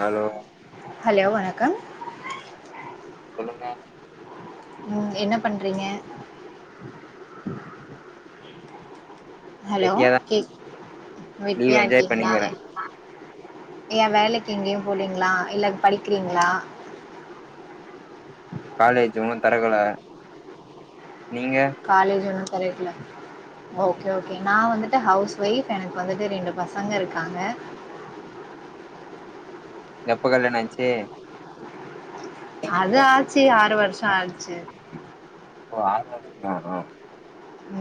Hello hello வணக்கம் சொல்லுங்க ம் என்ன பண்றீங்க ஹலோ வெட்டியாதா கேக் லீவ் வெட்டியா என்ஜாய் இருக்கீங்ளா பண்ணிக்கிறே ஏ வேலைக்கி எங்கியு போலீங்ளா இல்ல படிக்கிறீங்ளா காலேஜ் உன்னு தறக்கல நீங்க காலேஜ் உன்னு தெறக்கல ஓகே ஓகே நா வந்துட்டு ஹவுஸ் ஒய்ஃப் எனக்கு வந்துட்டு ரெண்டு பசங்க இருக்காங்க எப்ப கால்யாண ஆய்ன்ச்சி அது ஆச்சு ஆறு வருஷோ ஆச்சு ஓ ஆறு வருஷந்தானா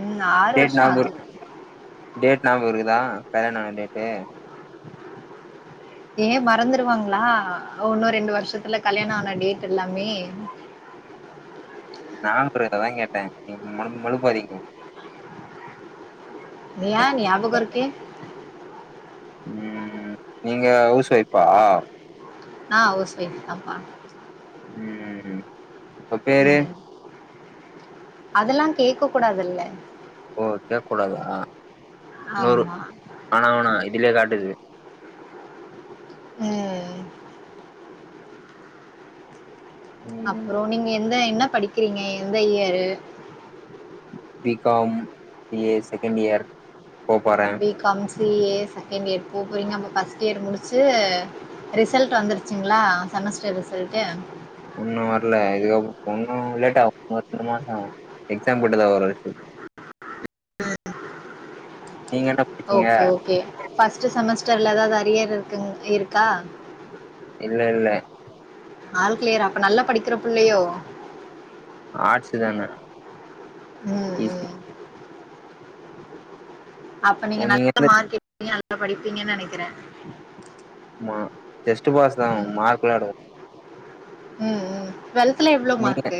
ம் ஆறு வருஷோ ஆகுது டேட் நாபகோ இருக்குதா கல்யாண ஆன டேட்டு ஏ மறந்துருவாங்களா ஒன்னு ரெண்டு வருஷத்துல கல்யாண ஆன டேட் எல்லாமே நாப் இருக்குதாதா கேட்டே நீங் மழு மழுப்பாதிங்கோ யா ஞாபகோ இருக்கே ம் நீங்க ஹவுஸ் ஒய்ஃபா ஆ ஹவுஸ் ஒய்ஃப்தாம்பா ம் உங்க பேரு ம் அதெல்லா கேக்க கூடாதுல்ல ஓ கேக்ககூடாதா, நூறு ஆமாம் வேணா வேணா இதுலே காட்டுது ம் ம் அப்றோ நீங்க எந்த என்ன படிக்கிறீங்க எந்த year B com C A second year போப்போறே B com C A second year போப்போறீங்க அப்ப ஃபர்ஸ்ட் இயர் முடிச்சு ரிசல்ட் வந்துருச்சிங்களா செமஸ்டர் ரிசல்ட் இன்னு வரல இதுக்கப்றோ இன்னு லேட்டாவு ஒரு ரெண்டு மாசம் ஆவு எக்ஸாம் கிட்டதா வரு ரிசல் நீங்க என்ன படிச்சீங்க ஓகே ஓகே ஃபர்ஸ்ட் செமஸ்டர்ல ஏதாவது அரியர் இருக்குங் இருக்கா இல்ல இல்ல ஆள் கிளியரா அப்ப நல்ல படிக்கிற பிள்ளையோ ஆட்ஸ் தான ம், ஈஸி ம் அப்ப நீங்க ஓ நல்லா வந்து மார்க் எடுப்பிங்க நல்லா படிப்பீங்கன்னு நெனைக்கிற ம்மா ஜெஸ்ட் பாஸ்தா மார்க் லா எடுக்க ம் ம் டுவெல்த்ல எவ்ளோ நீங்க மார்க்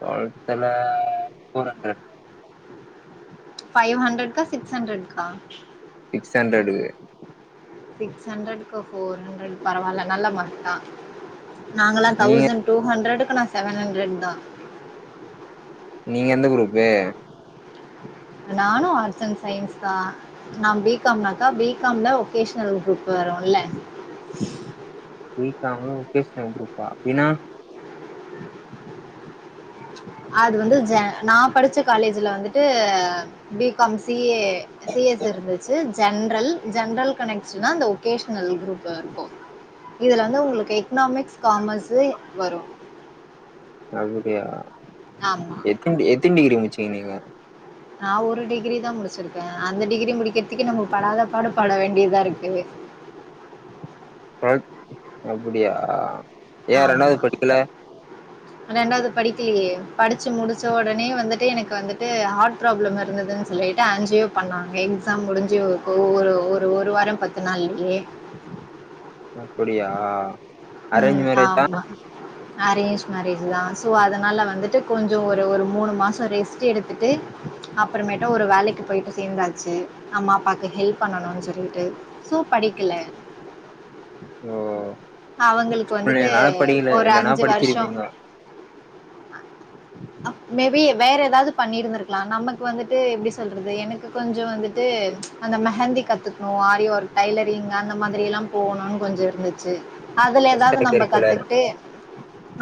டுவெல்த்ல ஃபோர் ஹண்ட்ரட் ஃப்வ் ஹண்ட்ரட்க்கா சிக்ஸ் ஹண்ட்ரட்க்கா சிக்ஸ் ஹண்ட்ரட்க்கு சிக்ஸ் ஹண்ட்ரட்க்கு ஃபோர் ஹண்ட்ரட் பரவாயில்ல நல்ல மார்க்கு தா நாங்கல்லா நீங்க தௌசண்ட் டூ ஹண்ட்ரடுக்குா நா செவன் ஹண்ட்ரட்தா நீங்க எந்த குரூப்பு நானு ஆர்ட்ஸ் அண்ட் சயின்ஸ் தா நா பி காம்னாக்கா பி காம்ல ஒகேஷனல் குரூப் வரும்ல பி காம் ல ஓகேஷ்னல் குரூப்பா அப்படினா அது வந்து ஜ நா படிச்ச காலேஜ்ல வந்துட்டு B com C A C S இருந்துச்சு ஜென்ரல் ஜென்ரல் கனெக்ஷனா அந்த ஒகேஷனல் குரூப் இருக்கு இதுல வந்து உங்களுக்கு எக்கனாமிக்ஸ் காமர்ஸ் வரு அப்டியா ஆமா எத்தினி எத்தினி டிகிரி முடிச்சிங்க நீங்க நா ஒரு டிகிரி தா முடிச்சிருக்கே அந்த டிகிரி முடிக்கிறதுக்கே நம்ம படாத பாடு பட வேண்டியதா இருக்கு டுவெல் அப்படியா ஆமா ரெண்டாவது படிக்கலயே படிச்சு முடிச்ச ஒடனே வந்துட்டு எனக்கு வந்துட்டு ஹார்ட் ப்ராப்ளம் இருந்ததுன்னு சொல்லி ட்டு ஆஞ்சியோ பண்ணாங்க எக்ஸாம் முடிஞ்சு ஒரு ஒரு ஒரு வாரம் பத்து நாள்லையே அப்படியா அரேஞ்ச் ம். மேரேஜா ஆமா. அரேஞ்ச் மேரேஜ்தா ஸோ அதனால வந்துட்டு கொஞ்சோ ஒரு ஒரு மூணு மாசம் ரெஸ்ட் எடுத்துட்டு அப்பறமேட்ட ஒரு வேலைக்கு போயிட்டு சேந்தாச்சு அம்மா அப்பாக்கு ஹெல்ப் பண்ணணுனு சொல்லிட்டு சோ படிக்கல ஓ அவங்களுக்கு வந்துட்டு அப்படிங்கறனால படிக்கல ஒரு இல்லன்னா வருஷம் படிச்சிருப்பீங்க அ மே பி வேற ஏதாவது பண்ணிருந்திருக்கலா நமக்கு வந்துட்டு எப்டி சொல்றது எனக்கு கொஞ்சோ வந்துட்டு அந்த மெஹந்தி கத்துக்ணு ஆரி ஒர்க் டை்லரிங் அந்த மாதிரி எல்லா போகணுன் கொஞ்சோ இருந்துச்சு அதுல ஏதாவது எக்ஸ்ட்ரா நம்ம கரிக்குலர் கத்துக்கிட்டு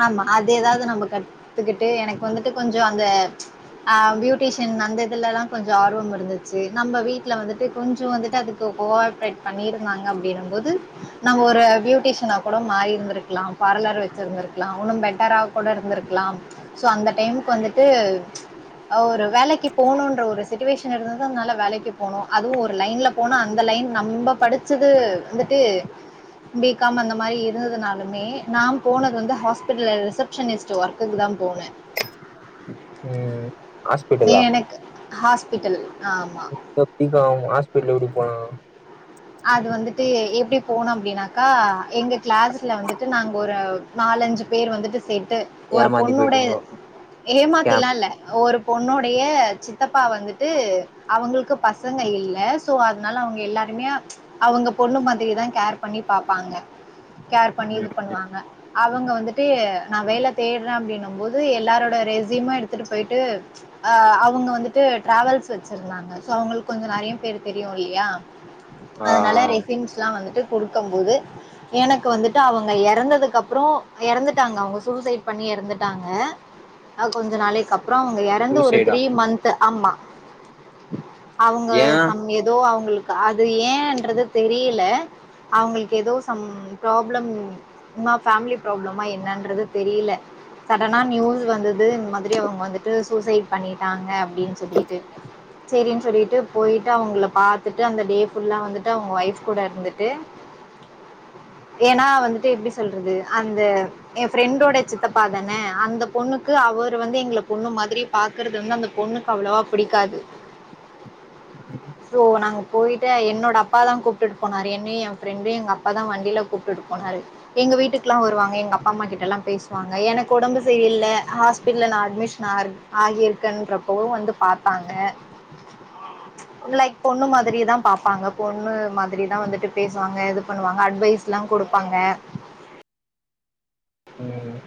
ஆமா அது ஏதாவது நம்ம கத் டு எனக்கு வந்துட்டு கொஞ்சோ அந்த அ பியூட்டிஷியன் அந்த இதுலலா கொஞ்சோ ஆர்வம் இருந்துச்சு நம்ம வீட்ல வந்துட்டு கொஞ்சோ வந்துட்டு அதுக் கு கோ ஆப்ரேட் பண்ணி இருந்தாங்க அப்டினும் போது நம்ம ஒரு பியூட்டிஷியனா கூட மாறி இருந்திருக்லா பார்லர் வச்சிருந்திருக்லா இன்னு பெட்டரா கூட இருந்திருக்லாவ் சோ அந்த டைமுக்கு வந்துட்டு ஒரு வேலைக்கு போணுன்ற ஒரு சிச்சுவேஷன் இருந்ததூனால வேலைக்கு போணு அதுவு ஒரு லைன்ல போணு அந்த லைன் நம்ம படிச்சது வந்துட்டு பி காம் அந்த மாரி இருந்ததுனாலுமே நா போனது வந்து ஹாஸ்பிடல் ரிசப்ஷனிஸ்ட் ஒர்க்குக்கு தா போனே ம் ஏ ஹாஸ்பிட்டலா எனக் ஹாஸ்பிட்டல் ஆமா [inaudible] பி காம் ஹாஸ்பிடல் எப்டி போலா அது வந்துட்டு எப்டி போனோ அப்டினாக்கா எங்க கிளாஸ்ல வந்துட்டு நாங்க ஒரு நாலஞ்சு பேர் வந்துட்டு சேத்து ஒரு ஏமாந்து பொண்ணுட போயிட்டீங்கோ ஏமாத்தி ஸ்கேம் எல்லா இல்ல ஒரு பொண்ணுடைய சித்தப்பா வந்துட்டு அவங்கள்க்கு பசங்க இல்ல சோ அதுனால அவுங்க எல்லாருமே அவுங்க பொண்ணு மாதிரிதா கேர் பண்ணி பாப்பாங்க கேர் பண்ணி இது ம் பண்ணுவாங்க அவங்க வந்துட்டு நா வேல தேட்றே அப்டின்னும் போது எல்லாரோட ரெசிமு எடுத்துட்டு போயிட்டு அ அவுங்க வந்துட்டு டிராவல்ஸ் வச்சிருந்தாங்க சோ அவங்களுக்கு கொஞ்சோ நெறைய பேரு தெரியு இல்லையா ஆ அதனால ரெஸிம்லா வந்துட்டு குடுக்கும் போது எனக்கு வந்துட்டு அவங்க எறந்ததுக்கப்றோ எறந்துட்டாங்க அவங்க சூசைட் பண்ணி எறந்துட்டாங்க அ கொஞ்ச நாளைக்கப்றோ அவுங்க எ எறந்து ஒரு சூசைடா த்ரீ மந்த் ஆமா அவுங்க ஏ சம் ஏதோ அவுங்களுக் காது ஏன்றது தெரியல அவங்களுக் ஏதோ சம் ப்ராப்ளம் சும்மா ஃபேமிலி ப்ராப்ளமா என்னன்றது தெரியல சடனா நியூஸ் வந்தது இந்த மாரி அவுங்க வந்துட்டு சூசைட் பண்ணிட்டாங்க அப்டின் சொல்லிட்டு செரின் சொல்லிட்டு போயிட்டு அவுங்கள பாத்துட்டு அந்த டே ஃபுல்லா வந்துட் டு அவுங்க வைஃப் கூட இருந்துட்டு ஏனா வந்துட்டு எப்டி சொல்றது அந்த எ ஃப்ரெண்டோட சித்தப்பாதான அந்த பொண்ணுக்கு அவர் வந்து எங்கள பொண்ணு மாதிரி பாக்குறது வந்து அந்த பொண்ணுக்கு அவ்ளவா பிடிக்காது சோ நாங்க போய்ட்டு என்னோட அப் அப்பா தா கூப்டுட் போனாரு என்ன என் ஃப்ரெண்டு எங்க அப்பா தா வண்டில கூப்டுட் போனாரு எங்க வீட்டுக்லா வருவாங்க எங்க அப்பா அம்மா கிட்டல்லா பேசுவாங்க எனக்கு ஒடம்பு சரியல்ல ஹாஸ்பிடல்ல நா அட்மிஷன் ஆர் ஆகியிருக்கன்றப்பவு வந்து பாத்தாங்க லைக் பொண்ணு மாதிரிதா பாப்பாங்க பொண்ணு மாதிரிதா வந்துட்டு பேசுவாங்க இது பண்ணுவாங்க அட்வைஸ்ல்லா குடுப்பாங்க ம்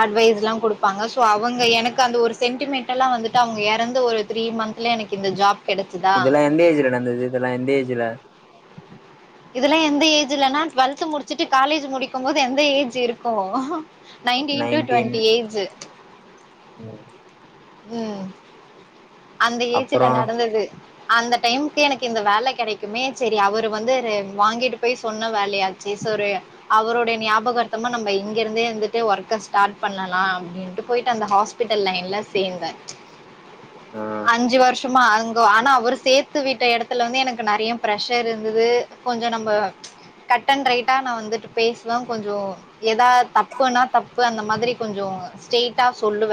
அட்வைஸ்லா குடுப்பாங்க சோ அவங்க எனக்கு அந்த ஒரு சென்டிமெண்டெலா வந்துட்டு அவுங்க எறந்து ஒரு த்ரீ மந்த் ல எனக்கு இந்த ஜாப் கெடச்சுதா. இதெல்லா எந்த ஏஜ்ல நடந்தது இதெல்லா எந்த ஏஜ்ல இதெல்லா எந்த ஏஜிலனா டுவெல்த் முடிச்சுட்டு காலேஜ் முடிக்கும் போது எந்த ஏஜ் இருக்கு நைன்டீன் டு டு்வெண்ட்டி ஏஜூ ம் ம் அந்த ஏஜுல அப்புறோ நடந்தது அந்த டைம்க்கு எனக்கு இந்த வேல கெடைக்குமே செரி அவரு வந்து வாங்கிட்டு போய் சொன்ன வேலயா ச்சீஸ் ஒரு அவரோடைய ஞாபகார்த்தமா நம்ம இங்க இருந்தே வந்துட்டு ஒர்க்க ஸ்டாட் பண்ணலா அப்டின்ட்டு போய்ட்டு அந்த ஹாஸ் பிட்டல் லைன்ல சேந்த ஆ அஞ்சு வர்ஷ் சுமா அங்க ஆனா அவரு சேத்துவிட்ட எடத்துல வந்து எனக்கு நெறையி பிரஷர் இருந்தது கொஞ்சோ நம்ம கட்டண் ரைட்டா நான் வந்துட்டு பேசுவ கொஞ்சோ எதா தப்புனா தப்பு அந்த மாதிரி கொஞ்சோ ஸ்ட்ரெய்ட்டா சொல்லுவ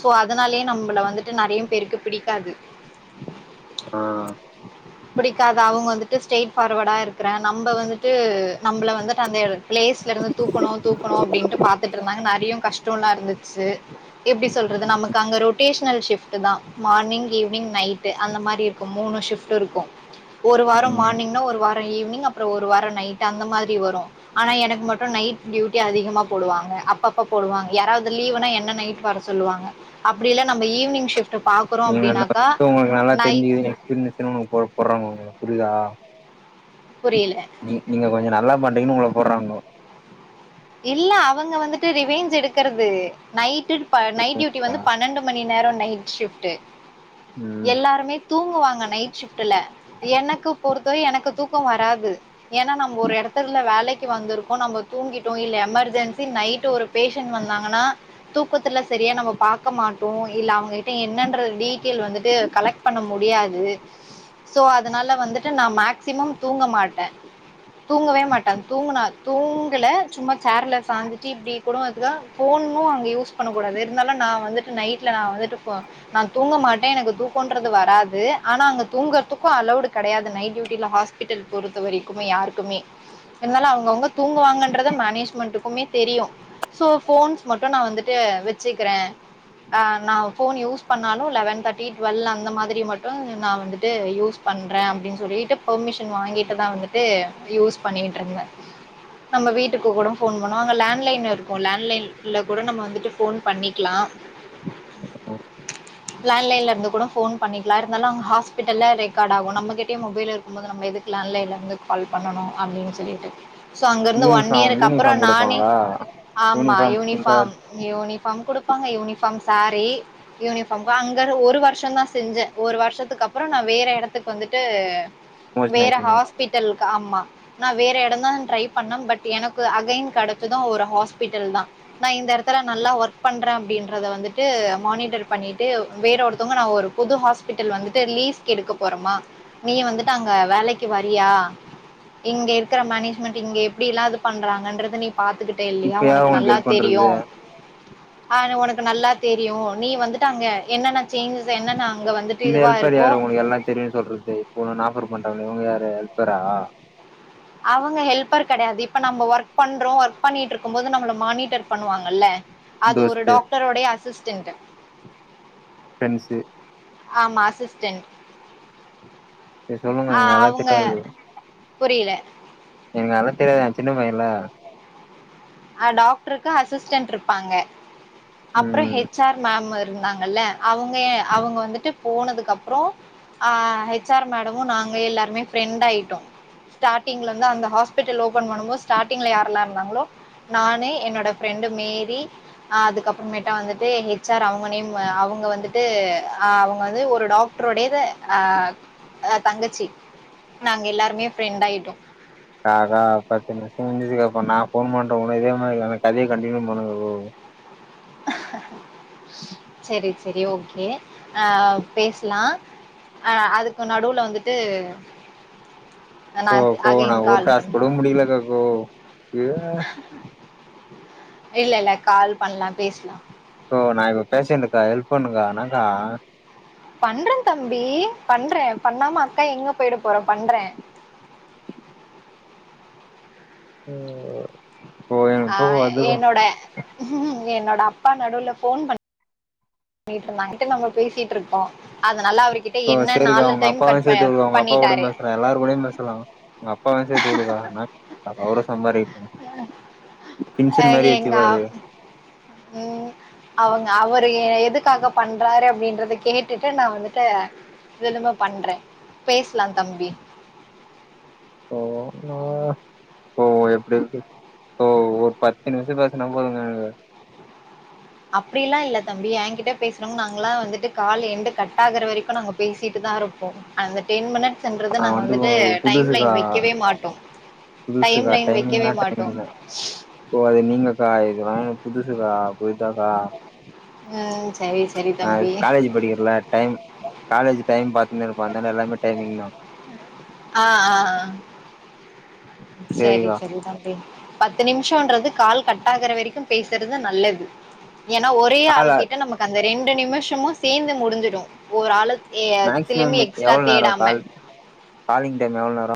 சோ அதனாலயே நம்மள வந்துட்டு நெறைய பேருக்கு பிடிக்காது ஆ பிடிக்காது அவ்ங்க வந்துட்டு ஸ்ட்ரெய்ட் ஃபார்வடா இருக்குற நம்ம வந்துட்டு நம்ள வந்துட்டு அந்த எட பிளேஸ்ல இருந்து தூக்கணு தூக்கணு அப்டின்ட்டு பாத்துட்ருந்தாங்க நெறையு கஷ் டோலா இருந்துச்சு எப்டி சொல்றது நமக்கு அங்க ரொட்டேஷ்னல் ஷிப் ட்டுதா மார்னிங் ஈவினிங் நைட்டு அந்த மாரி இருக்கு மூணு ஷிப்ட்டு இருக்கூ ஒரு வாரோ ம் மார்னிங்னா ஒரு வாரோ ஈவினிங் அப்புறோ ஒரு வாரோ நைட்டு அந்த மாதிரி வரு ஆனா எனக்கு மட்டும் நைட் டியூட்டி அதிகமா போடுவாங்க அப்ப அப்ப போடுவாங்க யாராவ்து லீவுனா என்ன நைட்டு வர சொல்லுவாங்க அப்டி இல்ல நம்ம ஈவினிங் ஷிப் நீங்க நல்லா இது உங்ளுக்கு நை தெரிஞ்சுகிதுன் எக்ஸ்பீரீனஸ்ஸு உங்கள கூப்புறாங்க உங்ளுக்கு புரிதா புரில நீங்க கொஞ்சோ நல்லா பண்றீங்கன் உங்குள போட்றாங்கோ இல்ல அவங்க வந்துட்டு ரிவேஞ் எடுக்கறது நைட்டு ப நைட் டியூட்டி புரியுதுங்களா வந்து பணண்டு மணி நேரோ நைட் ஷிஃப்ட்டு ம் எல்லாருமே தூங்குவாங்க நைட் ஷிப்ட்டுல எனக்கு பொறுத்தவை எனக்கு தூக்கோ வராது ஏனா நம் ஒரு எடத்துர்ல வேலைக்கு வந்துருக்கோ நம்ம தூங்கி ட்டோ இல்ல எமர்ஜென்சி நைட்டு ஒரு பேஷன் வந்தாங்கனா தூக்கத்துல சரியா நம்ம பாக்க மாட்டோ இல்ல அவுங்ககிட்ட என்னன்ற டீ டில் வந்துட்டு கலெக்ட் பண்ண முடியாது சோ அதுனால வந்துட்டு நா மேக்சிமம் தூங்க மாட்ட தூங்கவே மாட்ட தூங்குனா தூங்கல சும்மா சேர்ல சாஞ்சிட்டு இப்டி கூடோ அதுக்கா ஃபோன்னூ அங்க யூஸ் பண்ண கூடாது இருந்தாலு நா வந்துட் நைட்ல நா வந்துட்டு இப்போ நா தூங்க மாட்டே எனக்கு தூக்கோன்றது வராது ஆனா அங்க தூங்குறதுக்கூ அலவ்டு் கெடையாது நைட் டியூட்டில ஹாஸ் பிட்டல் பொறுத்த வரைக்குமே யாருக்குமே இருந்தாலு அவுங்கவ்ங்க தூங்குவாங்கன் றது மேனேஜ்மெண்ட்டுக்குமே தெரியு சோ ஃபோன்ஸ் மட்டு நா வந்துட்டு வெச்சுக்கிற ஆ நா ஃபோன் யூஸ் பண்ணாலு லெவன் தேர்ட்டி டுவல் அந்த மாதிரி மட்டு நா வந்துட்டு யூஸ் பண்ற அப்டின் சொல்லிட்டு பெர்மிஷன் வாங்கிட்டுதா வந்துட்டு யூஸ் பண்ணிட்ருந்த நம்ம வீட்டுக்கு கூட ஃபோன் பண்ணுவோ அங்க லேண்லைன் இருக்கு லேண்லைன்ல கூட நம்ம வந்துட்டு ஃபோன் பண்ணிக்லா அதுக்கப்றோ லேண்லைன்ல இருந்து கூட ஃபோன் பண்ணிக்லா இருந்தாலு ஹாஸ்பிட்டல்ல ரெக்காடாகு நம்ம கிட்டயு மொபைல் இரு க்குபோது நம்ம எதுக்கு லேண்லைன்ல இருந்து கால் பண்ணனு அப்டின் சொல்லிட்டு சோ அங்க இருந்து ஒன் யூனிஃபார்ம் இயருக்கு அப்புறோ யூனிஃபார்ம் நானே குடுப்பாங்களா ஆமா யூனிஃபார்ம் நீங்க யூனிஃபாம் யூனிஃபாம் குடுப்பாங்க யூனிஃபாம் சாரி யூனிஃபாம் அங்க ஒரு வருஷந்தா செஞ்ச ஒரு வர்ஷத்துக்கப்புறோ நா வேற எடத்துக் வந்துட்டு ப்ரமோஷன் வேற ஆயிட்டீங்க ஹாஸ்பிட்டலுக்கு ஆம்மா நா வேற எடந்தா ட்ரை பன்னம்பட் எனக்கு அகைன் கெடைச்சதூ ஒரு ஹாஸ்பிட்டல் தா நா இந்த எடத்துல நல்லா ஒர்க் பண்றே அப்டின்றத வந்துட்டு மானிட்டர் பண்ணிட்டு வேற ஒருத்தவங்க நா ஒரு புது ஹாஸ்பிட்டல் வந்துட்டு லீஸ்க்கு எடுக்க போறமா நீ வந்துட்டு அங்க வேலைக்கி வறியா இங்க இருக்கிற மேனேஜ்மெண்ட் இங்க எப்டில்லா இது பண்றாங்கன்றத நீ பாத்துக்கிட்டே இல்லியா இப்ப யாரு ஒனக்கு உங்களுக்கு நல்லா ஹெல்ப் தெரியு பண்றது அங்கன ஒனக்கு நல்லா தெரியு நீ வந்துட்டு அங்க என்னன்ன சேஞ்சஸ் என்னனு அங்க வந்து இந்த ஹெல்ப்ர் யார் ஒங்ளுக்கு எல்லா தெரியுன்னு சொல்றது இப்போ ஒன்ன ஆபர் பண்றாங்கலே இவுங்க யாரு ஹெல்ப்பரா அவங்க ஹெல்பர் கெடையாது இப்ப நம்ம ஒர்க் பண்றோ ஒர்க் பண்ணிட்டு இருக்கு போது நம்மள மானிட்டர் பண்ணுவாங்கல்ல அது ஒரு தோஸ்து டாக்டரொடய அசிஸ்டன்டு ஃப்ரண்ஸு ஆமா அசிஸ்டன்ட் சரி சொல்லுங்க ஆ எனக்கு அதெல்லா அவுங்க தெரியாது புரில எனக்கு அதல்லா தெரியாது நா சின்ன பையயல ஆ டாக்டருக்கு அசிஸ்டன்ட் இருப்பாங்கஅப்றோ ம் ஹெச் ஆர் மேமூ இருந்தாங்கல்ல அவுங்க ஏ அவுங்க வந்துட்டு போனதுக்கப்றோ ஆ ஹெச் ஆர் மேடமு நாங்க எல்லாருமே ஃப்ரெண்ட் ஆயிட்டோ ஸார்டி்ல இருந்து அந்த ஹாஸ்பிடல் ஓபன் பண்ணபோ ஸ்டாடீங்ல யாரல்லா இருந்தாங்ளோ நானு என்னோட ஃப்ரெண்டு மேரி அதுக்க அப்பறமேட்டா வந்துட்டு ஹெச் ஆர் அவுங்க நேம் அவுங்க வந்துட்டு அவுங்க வந்து ஒரு டாக் டரொட அ தங்கச்சி நாங்க எல்லாருமே ஃப்ரெண்ட் ஆயிட்டோ நா தா பத்து நிமிஷம் முஞ்சதுக்கு அப்ப நா போமாட்ட உனும் இதே மாரி அந்த கதையை கண்டினியூ பண்ணுங்க ப்ரோ செரி செரி ஓகே அஹ பேசலாம் அஹ அதுக்கு நடுவுல வந்துட்டு ஓ நான் போ நா அகைன் ஒரு கால் டாஸ் போட பண்றேன் முடியலக்கா கோ இல்ல இல்ல கால் பண்லா பேசலா யோ நான் இப்போ பேசினுக்கேஹெப் பண்ணுங்க்கா எனனக்கா பண்றே தம்பி பண்றே பண்ணாம அக்கா எங்க போயட போறோ பண்றே உம் ஆ என்னோட என்னோட அப்பா நடுவுல ஃபோன் பண்ண பண்ணிட்டு இருந்தாங்க நம்ம பேசிட்டு இருக்கோ அது நல்லா அவர்கிட்ட கோ என்ன சரிக்கா நாலு அவுங்க டைம் அப்பாவா கட் சேத்து ப- விடுவாங்க உங்கப்பா பண்ணிட்டாரு உடம்ப அப்ப எல்லாரு கூடயையு பேசலா எங்க அப்பாவயு சேத்து வுடுக்கா அவரு சம்பாதிக்க ஏங்க அப் உம் அவுங்க அவரு ஏ எதுக்காக பண்றாரு அப்டின்றத கேட்டுட்டு நா வந்துட்டு நெஜமா பண்றே பேசலாந்தம்பி ஓ ஓ ஓ எப்டி இருக்கு ஓ பத்து நிமிஷ பேசனா போதுங்க அப்டிலா இல்ல தம்பி ஏங்கிட்ட பேசனும்ங்க நாங்கல்லா வந்துட்டு கால் எண்டு கட் ஆகுற வரைக்கு நாங்க பேசிட்டு தா இருப்போ அந்த டென் மினிட்ஸ்ன்றது நா நாங்க வந்து வந்துட்டு டைம் லைன் புதுசுக்கா வெக்கவே மாட்டோ டைம் புதுசுக்கா லைன் வெக்கவே மாட்டோ ஓ அது நீங்கக்கா இதுவேற புதுசுக்கா புரிதாக்கா ம். சரி, சரி நா தம்பி. காலேஜ் படிக்கிறல டைம் காலேஜ் டைம் பாத்தீங்னே இருக்கு அதந்தால எல்லாமே டைமிங் தா ஆ ஆ ஆ செரி சேரிக்கா செரி தான் பத்து நிமிஷம்ன்றது கால் கட் ஆகுற வரைக்கும் பேசுறது நல்லது ஏனா ஒரே கால ஆள் கிட்ட நமக்கு அந்த ரெண்டு நிமிஷமும் சேந்து முடிஞ்சிடும் ஒரு ஆள் மேக்சிமம் ஏத்தலுமெ எக்ஸ்ட்ரா எவ்ளோ நேரோ தேடாம கால் காலிங் டைம் எவ்ளோ நேரோ